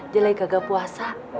biar aja ya kagak puasa